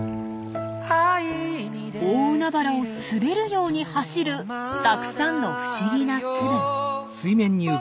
大海原を滑るように走るたくさんの不思議な粒。